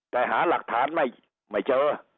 แต่หาหลักฐานไม่เจอ